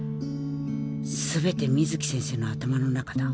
全て水木先生の頭の中だ。